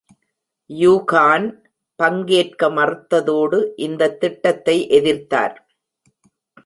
யுகான் பங்கேற்க மறுத்ததோடு, இந்த திட்டத்தை எதிர்த்தார்.